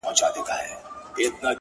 • په کور کلي کي ماتم وو هنګامه وه,